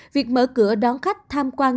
việc mở cửa đón khách tham quan